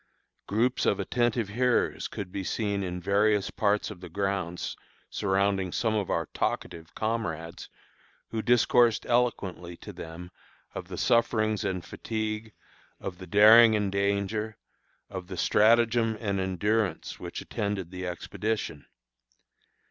Groups of attentive hearers could be seen in various parts of the grounds surrounding some of our talkative comrades who discoursed eloquently to them of the sufferings and fatigue, of the daring and danger, of the stratagem and endurance which attended the expedition.